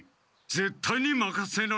ぜっ対にまかせない！